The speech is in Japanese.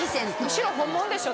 後ろ本物でしょ？